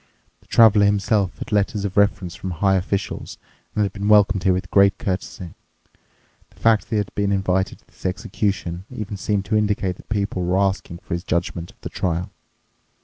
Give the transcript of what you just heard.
The Traveler himself had letters of reference from high officials and had been welcomed here with great courtesy. The fact that he had been invited to this execution even seemed to indicate that people were asking for his judgment of this trial.